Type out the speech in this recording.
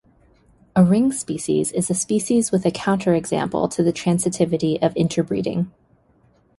A ring species is a species with a counterexample to the transitivity of interbreeding.